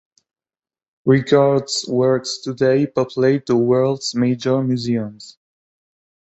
Rigaud's works today populate the world's major museums.